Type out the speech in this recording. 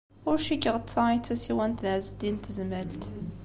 Ur cikkeɣ d ta ay d tasiwant n Ɛezdin n Tezmalt.